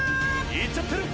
いっちゃってるー。